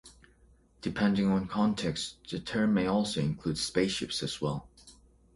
Depending on context, the term may also include spaceships as well.